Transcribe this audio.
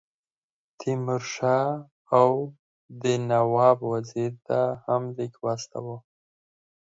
تیمور شاه اَوَد نواب وزیر ته هم لیک واستاوه.